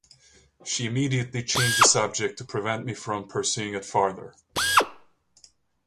She immediately changed the subject to prevent me from pursuing it farther.